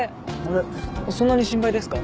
そんなに心配ですか？